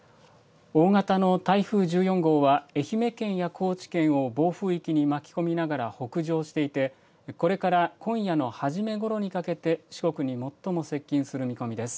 大型の台風１４号は愛媛県や高知県を暴風域に巻き込みながら北上していて、これから今夜の初めごろにかけて、四国に最も接近する見込みです。